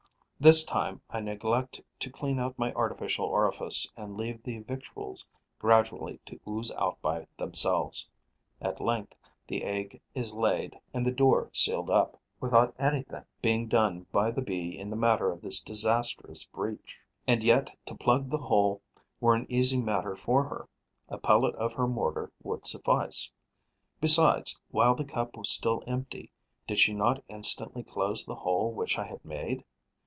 This time, I neglect to clean out my artificial orifice and leave the victuals gradually to ooze out by themselves. At length, the egg is laid and the door sealed up, without anything being done by the Bee in the matter of the disastrous breach. And yet to plug the hole were an easy matter for her: a pellet of her mortar would suffice. Besides, while the cup was still empty, did she not instantly close the hole which I had made?